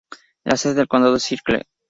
La sede del condado es Circle.